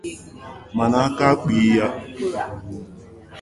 Mana aka apụghị ya.